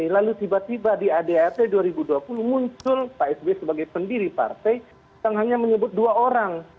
lalu tiba tiba di adart dua ribu dua puluh muncul pak sby sebagai pendiri partai yang hanya menyebut dua orang